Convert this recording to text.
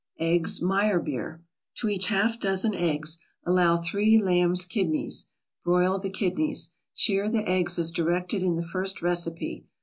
EGGS MEYERBEER To each half dozen eggs allow three lambs' kidneys. Broil the kidneys. Shir the eggs as directed in the first recipe.